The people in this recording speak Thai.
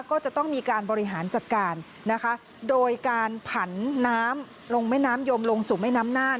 ก็จะต้องมีการบริหารจัดการนะคะโดยการผันน้ำลงแม่น้ำยมลงสู่แม่น้ำน่าน